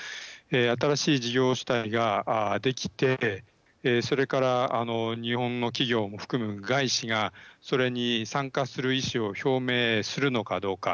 新しい事業主体ができて、それから日本の企業も含む外資がそれに参加する意思を表明するのかどうか。